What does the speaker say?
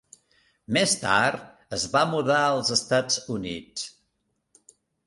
Més tard es va mudar als Estats Units.